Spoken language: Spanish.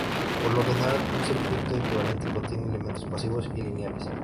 Por lo general, un circuito equivalente contiene elementos pasivos y lineales.